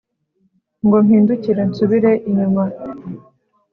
Ngo mpindukire nsubire inyuma?